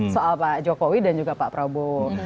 soal pak jokowi dan juga pak prabowo